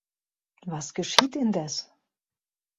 Was geschieht indes?